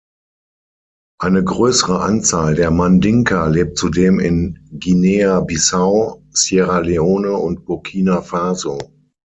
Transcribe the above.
Eine größere Anzahl der Mandinka lebt zudem in Guinea-Bissau, Sierra Leone und Burkina Faso.